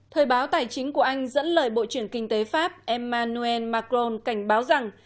thời báo tài chính của anh dẫn lời bộ trưởng kinh tế pháp emmanuel macron cảnh báo rằng